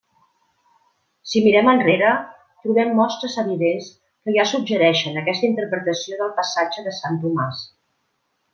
Si mirem enrere, trobem mostres evidents que ja suggereixen aquesta interpretació del passatge de sant Tomàs.